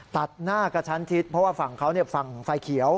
ตัดหน้ากระชั้นชิดเพราะว่าฝั่งเขาฝั่งไฟเขียว